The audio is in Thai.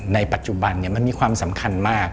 ในปัจจุบันมันมีความสำคัญมาก